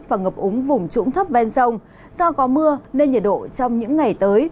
và ngập úng vùng trũng thấp ven sông do có mưa nên nhiệt độ trong những ngày tới